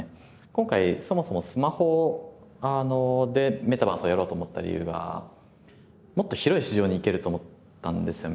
今回そもそもスマホでメタバースをやろうと思った理由がもっと広い市場に行けると思ったんですよ